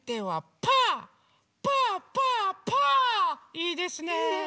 いいですね。